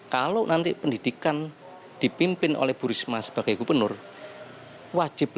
kalau pendidikan dipimpin oleh pr satu ratus tiga ni dua ribu tiga belas belumah apa juga leaves tak siber